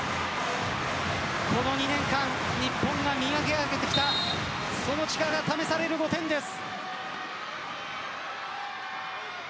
この２年間日本が磨き上げてきたその力が試される５点です。